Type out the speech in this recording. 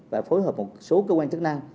và phối hợp một số cơ quan chức năng